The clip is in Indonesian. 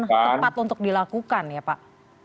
tepat untuk dilakukan ya pak